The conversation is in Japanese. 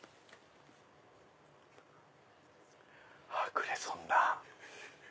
クレソンだ。